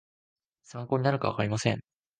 参考になるかはわかりません